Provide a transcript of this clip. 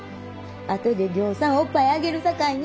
後でぎょうさんおっぱいあげるさかいな。